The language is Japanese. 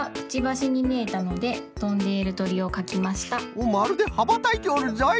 おっまるではばたいておるぞい！